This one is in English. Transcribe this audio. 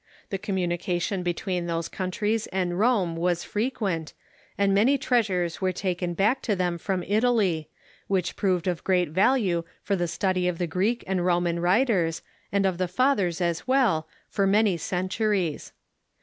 The communication between those countries and Rome was frequent, and many treasures were taken back to them from Italy, which proved of great value for the study of the Greek and Roman writers, and of the Fathers as well, for many centuries.